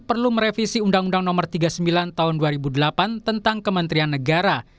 perlu merevisi undang undang no tiga puluh sembilan tahun dua ribu delapan tentang kementerian negara